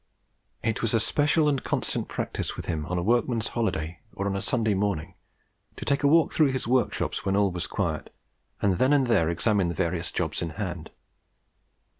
"It was a special and constant practice with him on a workman's holiday, or on a Sunday morning, to take a walk through his workshops when all was quiet, and then and there examine the various jobs in hand.